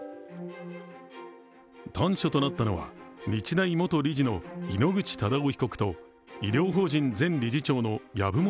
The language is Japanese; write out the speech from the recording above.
端緒となったのは日大元理事の井ノ口忠男被告と医療法人前理事長の籔本